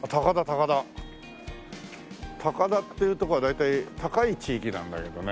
高田っていうとこは大体高い地域なんだけどね。